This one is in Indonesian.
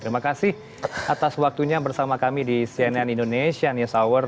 terima kasih atas waktunya bersama kami di cnn indonesia news hour